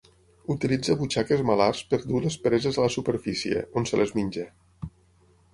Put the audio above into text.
Utilitza butxaques malars per dur les preses a la superfície, on se les menja.